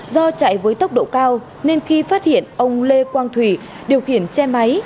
do chạy với tốc độ cao nên khi phát hiện ông lê quang thủy điều khiển xe máy